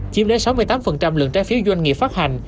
chiếm đến sáu mươi tám lượng trái phiếu doanh nghiệp phát hành